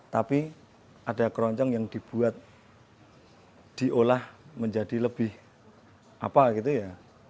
tapi ada keroncong yang dibuat diolah menjadi lebih apa gitu ya